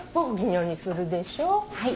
はい。